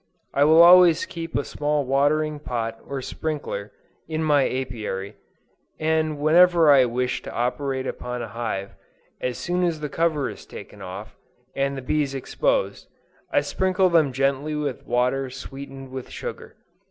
I always keep a small watering pot or sprinkler, in my Apiary, and whenever I wish to operate upon a hive, as soon as the cover is taken off, and the bees exposed, I sprinkle them gently with water sweetened with sugar.